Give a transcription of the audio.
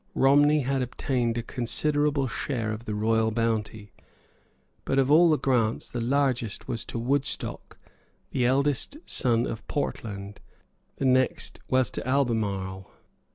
Romney had obtained a considerable share of the royal bounty. But of all the grants the largest was to Woodstock, the eldest son of Portland; the next was to Albemarle.